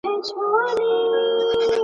هلمند د افغانستان تر ټولو پراخه ولایت دی.